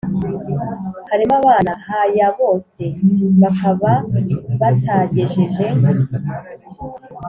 Harimo abana ha ya bose bakaba batagejeje